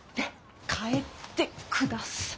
帰ってください。